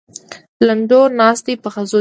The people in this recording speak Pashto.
لنډو ناست دی په خزو کې.